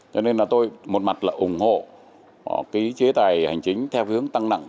cho nên là tôi một mặt là ủng hộ cái chế tải hành chính theo cái hướng tăng nặng